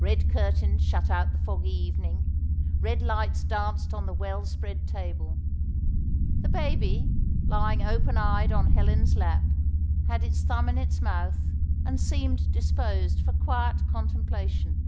Red curtains shut out the foggy evening; red lights danced on the well spread table. The baby, lying open eyed on Helen's lap, had its thumb in its mouth, and seemed disposed for quiet contemplation.